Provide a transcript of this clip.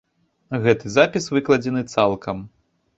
Гэты запіс выкладзены цалкам.